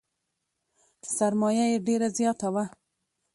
سرمایه یې ډېره زیاته وه .